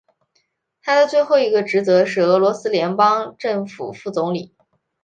他的最后一个职位是俄罗斯联邦政府副总理。